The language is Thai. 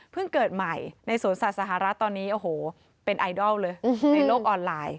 เกิดใหม่ในสวนสัตว์สหรัฐตอนนี้โอ้โหเป็นไอดอลเลยในโลกออนไลน์